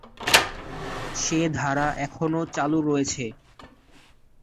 সে ধারা এখনও চালু রয়েছে।